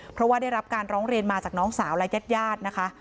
เพราะว่าได้รับการร้องเรียนมาจากน้องสาวและญาติญาตินะคะ